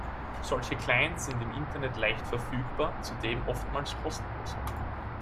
Solche Clients sind im Internet leicht verfügbar, zudem oftmals kostenlos.